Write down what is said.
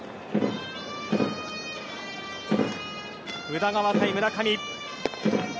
宇田川対村上。